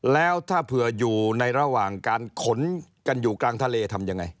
แล้วถ้าเผื่ออยู่ในระหว่างการขนกันอยู่กลางทะเลทำยังไง